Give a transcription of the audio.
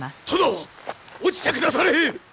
落ちてくだされ！